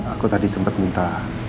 aku tadi sempat minta